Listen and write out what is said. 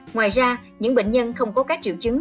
ngoài ra những bệnh nhân không có các triệu chứng